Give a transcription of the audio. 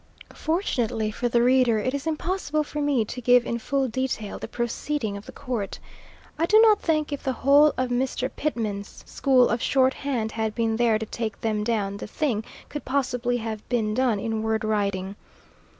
Fortunately for the reader it is impossible for me to give in full detail the proceedings of the Court. I do not think if the whole of Mr. Pitman's school of shorthand had been there to take them down the thing could possibly have been done in word writing.